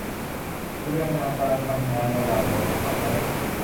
บูรณาการการทำงานระหว่างหน่วยงานภาครัฐ